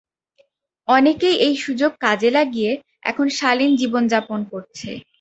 অনেকেই এই সুযোগ কাজে লাগিয়ে এখন শালীন জীবনযাপন করছে।